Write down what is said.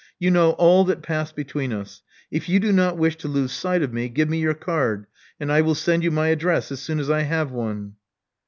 You know all that passed between us. If you do not wish to lose sight of me, give me your card; and I will send you my address as soon as I have one."